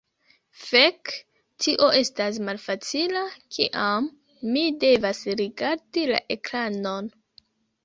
Fek, tio estas malfacila kiam mi devas rigardi la ekranon.